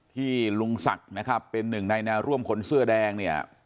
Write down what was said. ลุงศักดิ์นะครับเป็นหนึ่งในแนวร่วมคนเสื้อแดงเนี่ย